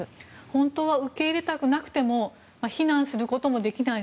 本当は受け入れたくなくても避難することもできない。